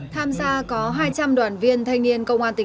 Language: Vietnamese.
tham gia có hai trăm linh đoàn viên thanh niên công an tỉnh